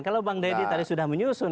kalau bang deddy tadi sudah menyusun